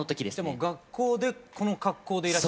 でも学校でこの格好で？